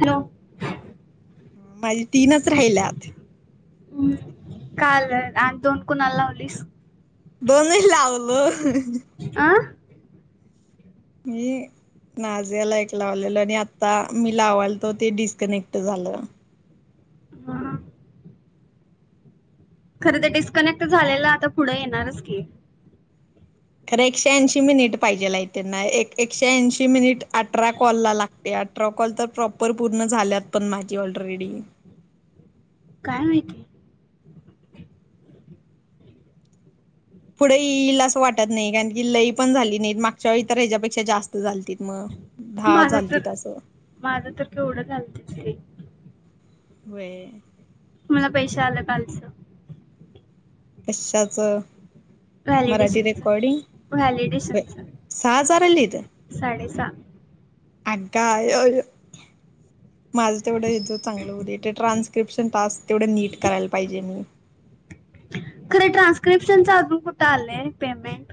Hello. माझी तीनच राहिल्यात. हम्म, काल आणि दोन कुणा लावलीस? दोन नाही लावलो. आ. ये नाझ्या हेला एक लावलेलं. आणि आता मी लावालतो ते डिस्कनेक्ट झालं. हा. खरं तर डिस्कनेक्ट झालेलं आता पुढे येणारच की? खरे एकशे ऐंशी मिनिट पाहिजे लाय त्यांना, एक एकशे ऐंशी मिनिट अठरा कॉल लाग ते आठरा कॉल तर प्रॉपर पूर्ण झाल्यात पण माझी ऑलरेडी. काय माहिती. पुढे येईल असं वाटत नाही. कारण की लई पण झाली नाहीत मागच्या वेळी तर ह्याच्यापेक्षा जास्त झालतीत मग. दहा माझं तर, चालतीत असं माझं तर केवढं झालंत की बाई. व्हय. मला पैसे आलं कालचं. कशाच? मराठी व्हॅलिडेशनचं रेकॉडिग, व्हॅलिडेशनचं सहा हजार आलीत. साडेसहा. अग आया-आया, माझ तेवढं हेज चांगलं होऊदे, ते ट्रान्स ट्रान्सक्रिप्शन टास्क तेवढं नीट करायला पाहिजे मी. खरं ट्रान्स्क्रिप्शन अजून कुठे आलंय पेमेंट.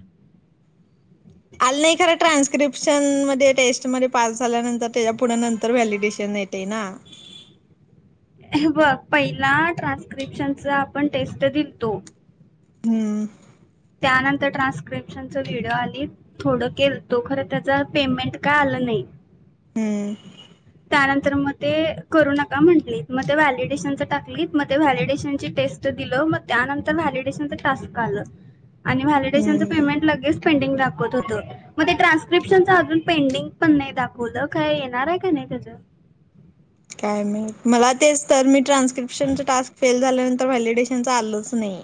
आलं नाही खरं, ट्रान्स्क्रिप्शन मध्ये टेस्ट मध्ये पास झाल्यानंतर त्याच्या पुढे नंतर व्हॅलिडेशन येत तेना. हे बघ, पहिला ट्रान्स्क्रिप्शनचा आपण टेस्ट दिलतो. हम्म. त्यानंतर ट्रान्स्क्रिप्शन च व्हिडिओ आलीत थोडं केलतो, खर त्याच पेमेंट काय आलं नाही. हम्म. त्यानंतर मग ते करू नका म्हटलीत, मग ते व्हॅलिडेशनच टाकलीत, मग ते व्हॅलिडेशनची टेस्ट दिलो, मग त्यानंतर व्हॅलिडेशनच टास्क आलं. आणि व्हॅलिडेशनचं हम्म. पेमेंट लगेच पेंडिंग दाखत होतं. मग ते ट्रान्स्क्रिप्शनच अजून पेंडिंग पण नाही दाखवलं, काय येणार आहे का नाही त्याचं? काय माहित, मला तेच तर, मी ट्रान्स्क्रिप्शनच टास्क फेल झाल्यानंतर तर व्हॅलिडेशनच आलंच नाही.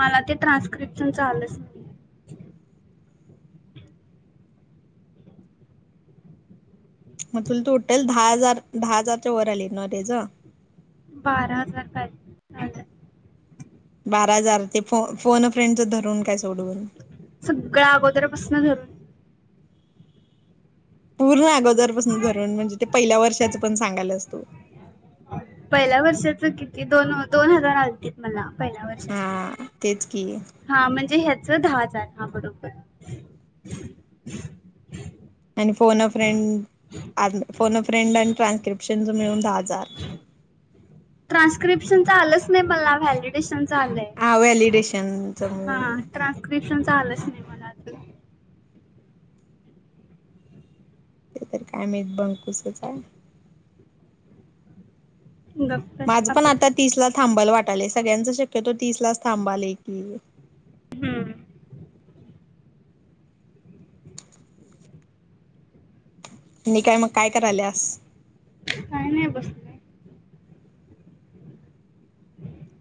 मला ते ट्रान्स्क्रिप्शन चा आलंच. मग तुला टोटल, दहा हजार, दहा हजारच्या वर आलेत ना तेज? बारा हजार काय. आलं बारा हजार, ते फो-फोन फ्रेंडच धरून काय सोडून. सगळं अगोदर पासून धरून. पूर्ण अगोदरपासून धरून, म्हणजे ते पहिल्या वर्षाच पण सांगायल्यास तू. पहिल्या वर्षाच किती, दोन-दोन हजार आलतीत मला, पहिल्या वर्ष. हा तेच की. अशाच हा! म्हणजे ह्याच दहा हजार, हा! बरोबर. आणि फोनफ्रेंड, आ फोनफ्रेंड आणि ट्रान्स्क्रिप्शन मिळून दहा हजार. ट्रान्स्क्रिप्शनच आलंच नाही मला, व्हॅलिडेशनच आलंय. हा व्हॅलिडेशन च म ट्रान्स्क्रिप्शनच आलच नाही म ते तर काय माहित बंकूसच हाय. गप्प बस माझं पण आपस आता तीस ला थांबाल वाटालंय, सगळ्यांच शक्यतो तीस लाच थांबालय की. हम्म! आणि काय मग काय कराल्यास? काय नाय बसले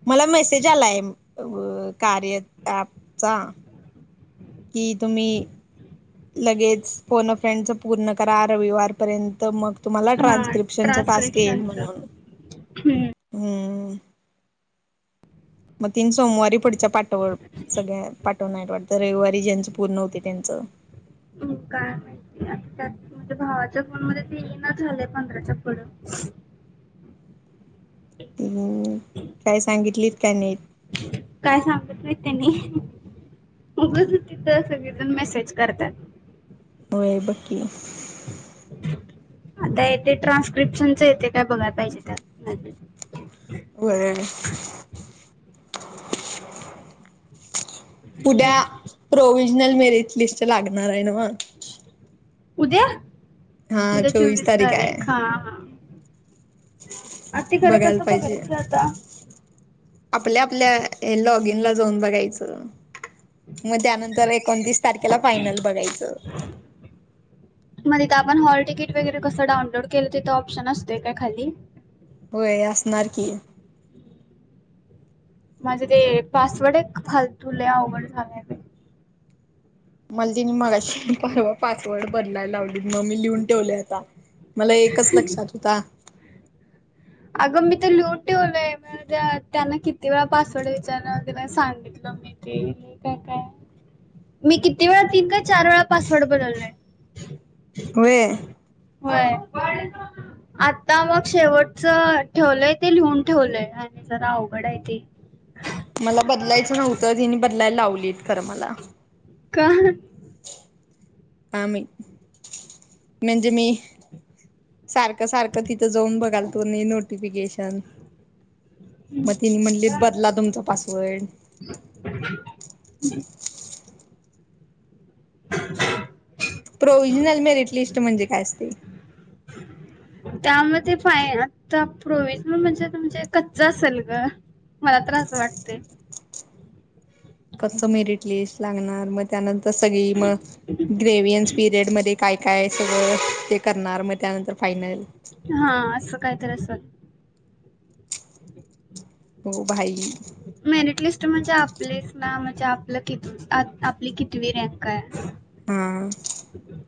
मला मेसेज आलाय अ कार्य ऍपचा की तुम्ही लगेच फोन फ्रेंडच पूर्ण करा रविवारपर्यंत मग तुम्हाला हा ट्रान्स्क्रिप्शनचा टास्क येईल ट्रान्स्क्रिप्शनचं म्हणून. हम्म, हम्म! मग तीन सोमवारी पुढच्या पाठवल सगळ्या पाठवणाइत वाटतं, रविवारी ज्यांची पूर्ण होती त्यांचं. काय माहिती? आता त्यात माझ्या भावाच्या फोन मध्ये ते इना झालय पंधराच्या पुढ. हम्म! काय सांगितलीत काय नाहीत? काय सांगत नाही त्यांनी. उगचच तिथ सगळेजण मेसेज करतात. होय बग की! आता येते ट्रान्स्क्रिप्शनच येतय काय बघाय पाहिजे त्यात बगुया की. उद्या काय प्रोव्हिजनल मेरिट लिस्ट लागणार हाय नव्ह? उद्या? उद्या चोवीस तारीख हा! हा! आता ते खरं बघायला कसं पाहिजे. बघायचं आता आपल्या आपल्या लॉग इन ला जाऊन बघायचं. मग त्यानंतर एकोणतीस तारखेला फायनल बघायचं. मग तिथ आपण हॉल तिकीट वगैरे कसं डाउनलोड केलं तिथ ऑप्शन असतोय काय खाली? व्हय असणार की. माझे ते पासवर्ड एक फालतु लय अवघड झालाय बा मला त्यानी मगाशी परवा पासवर्ड बदलाय लाव मग मी लिहून ठेवलय आता. मला एकच लक्षात हुता. अगं मी तर लिहुन ठेवलय [unintelligible] त्यांना किती वेळा पासवर्ड विचारला, [unintelligible] सांगितलं मी ते काय काय मी किती वेळा तीन का चार वेळा पासवर्ड बदलाय. व्हय? व्हय. आता मग शेवट च ठेवलंय ते लिहून ठेवलंय आणि जरा अवघड हाय ते. मला बदलायचं नव्हतं तेनी बदलाय लावलीत खरं मला. का? काय माहित. म्हणजे मी सारखं सारखं तिथं जाऊन बघालतो नी नोटिफिकेशन मग तेनी म्हणलेत बदला तुमचा पासवर्ड. प्रोव्हिजनल मेरिट लिस्ट म्हणजे काय असतय? त्यामध्ये फय आता प्रोविजनल म्हणजे तुमचं कच्च असेल ग मला तर अस वाटतय कच्च मेरिट लिस्ट लागणार मग त्यानंतर सगळी मग ग्रेवियन्स पीरियड मध्ये काय काय सगळं ते करणार मग त्यानंतर फायनल हा असं काहीतरी असल ओ भाई मेरिट लिस्ट म्हणजे आपलीच ना म्हणजे आपलं क आपली कितवी रँक आहे. हा.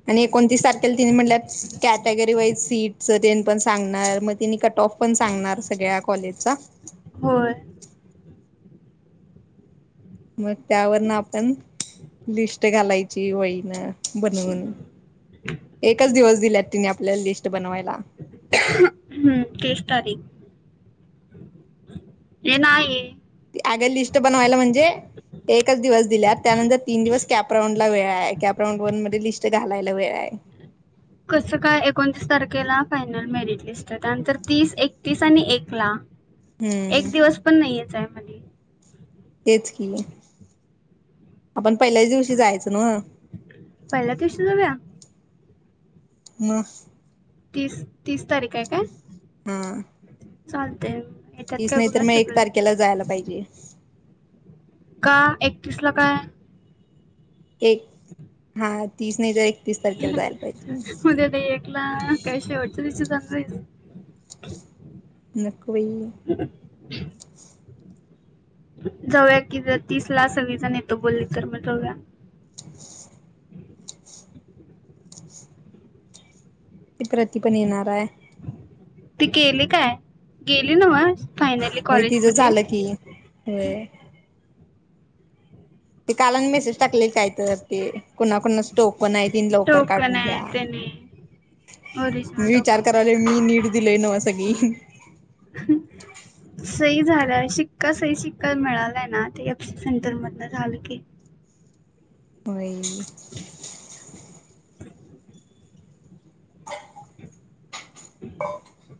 आणि एकोणतीस तारखेला तिने म्हटलं कॅटेगरी वाईज सीटच ते पण सांगणार मग तिने कट ऑफ पण सांगणार सगळ्या कॉलेजचा. होय. मग त्यावरन आपण लिस्ट घालायची वईनं बनवून. एकच दिवस दिल्यात तिने आपल्या लिस्ट बनवायला. हम्म तीस तारीख हे नाही. अग लिस्ट बनवायला म्हणजे एकच दिवस दिल्या त्यानंतर तीन दिवस कॅपराऊंड ला वेळ आहे कॅपराऊंड वन मध्ये लिस्ट घालायला वेळ आहे कस काय एकोणतीस तारखेला फायनल मेरिट लिस्ट आहे त्यानंतर तीस एकतीस आणि एक ला हम्म एक दिवस पण नाही याच्यामध्ये तेच कि आपण पहिल्याच दिवशी जायचं म पहिला [unintelligible] जाव्या मग तीस तीस तारीख आहे काय? हा. चालते याच्यात तीस काय नाही तर बघा मग एक सगळे तारखेला जायला पाहिजे. का एकतीस ला काय? एक हा तीस नाही तर एक उद्या नाही एकला काय शेवटचं दिवशी जातोय नको बाई ह जाऊया कि जर तीस ला सगळीजण येतो बोलली तर मग जाऊया एक रति पण येणार आहे. ते गेले काय गेली नव्हं फायनली होय कॉलेज तिचं मध्ये झालं की होय. ते कालाने मेसेज टाकलय काय तर ते कुणाकुणाच स्टोपण आहे त्यांनी लवकर टोकन काढून आहे घ्या त्याने ओरिजिनल विचार कराला डॉक्युमेंट मी नीट दिलेय ना व सगी ह सही झालंय शिक्का सही शिक्का मिळालाय ना ते एप सी सेंटर मध झालं की होय ह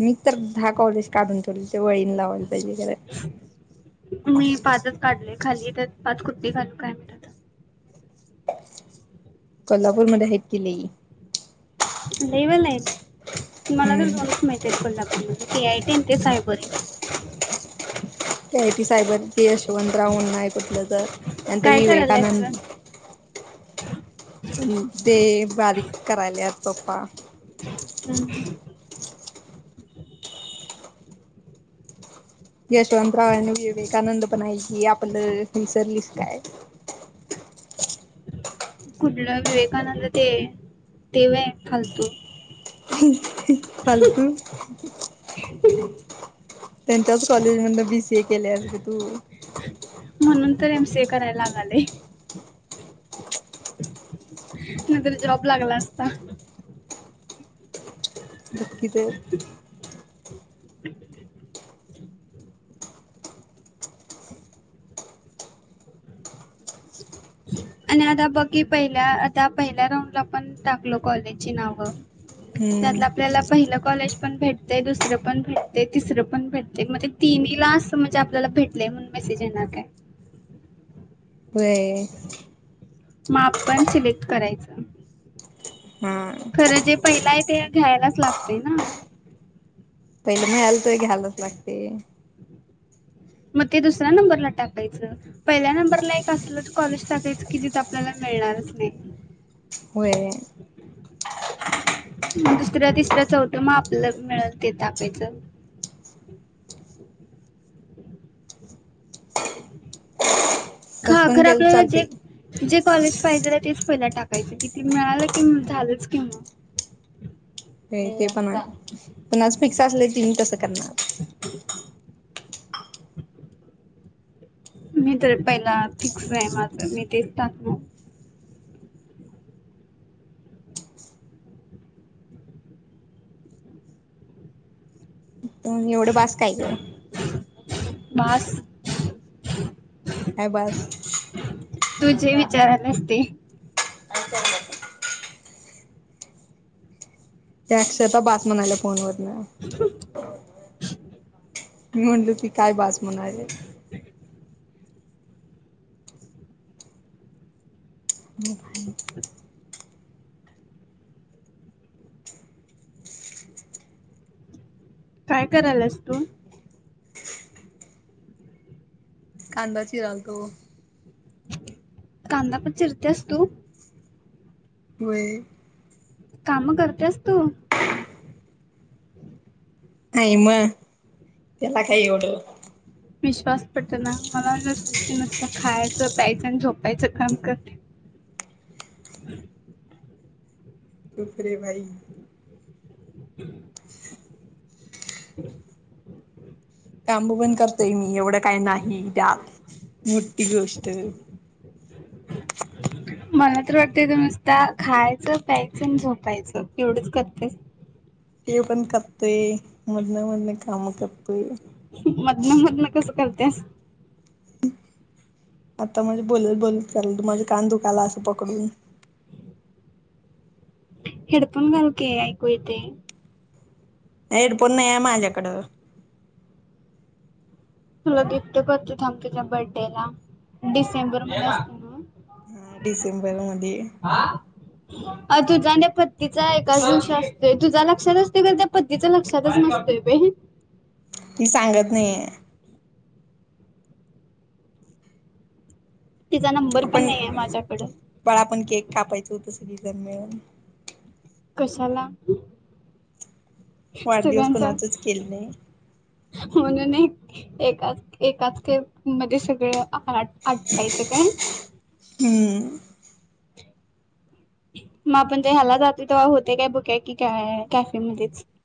मी तर दहा कॉलेज काढून ठेवले वळीन लावायला पाहिजे [unintelligible] मी पाचच काढले खाली त्यात पाच कुठले घालू काय माहित कोल्हापूरमध्ये आहेत कि लई. [unintelligible] मला तर हम्म दोन माहिती आहेत कोल्हापूर मध्ये. के आय टी ते सायबर ते के आय टी सायबर. ते शवंतराव म्हना आहे कुठलं तर, नंतर काय करायलास ग विवेकानंद [inaudible] ते बारीक करायलात पप्पा. हम् हम्म. यशवंतराव आनी विवेकानंद पण हाय की, आपलं ही सर्विस काय? कुठलं विवेकानंद ते, ते व्हयं फालतू. [unintelligible] फालतू. [inaudible] त्यांच्याच कॉलेज मध्ये बी सी ए केलेस गं तू. म्हणून तर एम सी ए कराये लागाले. [inaudible] [inaudible] नंतर जॉब लागला असता. बघ की गं. [inaudible] आणि आता बघ की पहिल्या, आता पहिल्या राऊंड ला पण टाकलो कॉलेजची नावं. हम्म त्यातलं आपल्याला पहिलं कॉलेज पण भेटते, दुसरं पण भेटते, तिसरं पण भेटते. मग तिनहीला असं म्हणजे आपल्याला भेटलयं म्हणून. मेसेज येणार काय? व्हयं. मग आपण सिलेक्ट करायचं. हा. खरं जे पहिला आहे, ते घ्यायलाच लागतंय ना. पहिले नाही आलं, तरी घ्यायलाच लागते. मग ते दुसऱ्या नंबरला टाकायचं. पहिल्या नंबरला एक असलंच कॉलेज टाकायचं की, जिथे आपल्याला मिळणारच नाही. व्हयं व्हयं. मग दुसरं, तिसरं, चौथ मग आपल्यालाच मिळेल ते टाकायचं. हा तस पण खरं केलं आपल्याला जे चालतय जे कॉलेज पाहिजे तेच पहिला टाकायचं. कि ते मिळालं कि झालंच कि मग व्हयं ते पण आहे. पण आज फिक्स असले तीन कसं करणार. [inaudible] मी तर पहिला फिक्स आहे माझं. मी तेच टाकणार. मग एवढं बास काय ग? [inaudible] बास [inaudible] काय बास तुझे विचार नसते कि [unintelligible] त्या अक्षरशः बास म्हणाल्या फोनवरन. [inaudible] मी म्हणलो की काय बास म्हणायलेत? मोबाईल काय करायलास तू? कांदा चिरालतो. [inaudible] कांदा पण चिरतेस तू? व्हयं. काम करतेस तू? नाही मग, त्याला काय एवढं? विश्वास पटंना ना मला. वाटतं सृष्टी नुसत खायचं, पा्यायजं, आणि झोपायचं काम करते. [unintelligible] चुप रे भाई. [unintelligible] [unintelligible] कांबू बण करतोय. मी एवढं काय नाही त्यात मोठी गोष्ट. मला तर वाटतंय नुसता खायचं, प्यायचं आणि झोपायचं एवढंच करतेस. ते पण करतोय मदन, मदन काम करतोय. मधन मधन कसं करतेस? आता म्हणजे बोलत, बोलत चाल तू माझे कान दुखाला असं पकडून. हेडफोन घाल कि ऐकू येतय. हेडफोन नया माझ्याकडं. तुला गिफ्ट करते थांब तुझ्या बर्थडे ला डिसेंबर मध्ये असत ना? हा डिसेंबर मध्ये हे. अ तुझा ना पत्तीचा एकाच दिवशी असतोय. ते तुझ्या लक्षात असते का त्या पत्तीच लक्षातच नसतंय बई. ती सांगत नहिये. तिचा नंबर पण आपण नाही आहे माझ्याकड. बाळा आपण केक कापायचं होतं सगी जण मिळून. कशाला? वाढदिवस सगळ्यांच कोणाचच केलं नाही म्हणून एक एक एकाच मध्ये सगळं. आपण आठ पायचं काय? हम्म! मग आपण जे ह्याला जातो तेव्हा होते काय बुक की काय कॅफे मध्येच.